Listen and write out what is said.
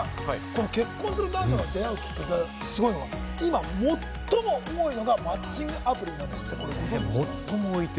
武田さん、結婚する男女の出会うきっかけで今、最も多いのがマッチングアプリ婚なんですって。